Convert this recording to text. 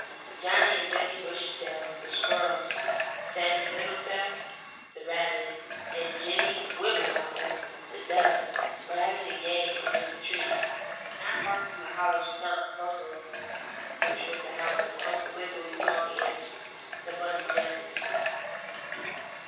Johnnie and Billie Bushytail, the squirrels; Sammie Littletail, the rabbit, and Jimmie Wibblewobble, the duck, were having a game under the trees, not far from the hollow stump bungalow which was the house of Uncle Wiggily Longears, the bunny gentleman.